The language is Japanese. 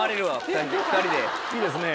いいですね